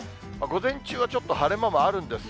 午前中はちょっと晴れ間もあるんです。